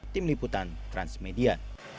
tim liputan transmedia